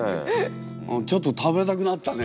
ちょっと食べたくなったね。